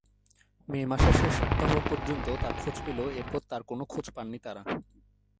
মে মাসের শেষ সপ্তাহ পর্যন্ত তার খোঁজ পেলেও এরপর তার কোনো খোঁজ পাননি তারা।